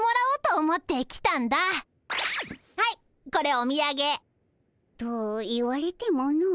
はいこれおみやげ。と言われてもの。